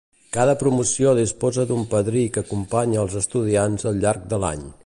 Cada promoció disposa d'un padrí que acompanya als estudiants al llarg de l'any.